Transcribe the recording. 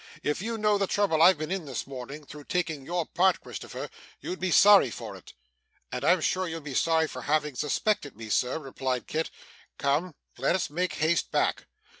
If you knew the trouble I've been in, this morning, through taking your part, Christopher, you'd be sorry for it.' 'And I am sure you'll be sorry for having suspected me sir,' replied Kit. 'Come. Let us make haste back.